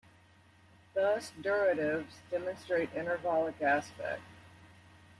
Thus, duratives demonstrate intervallic aspect.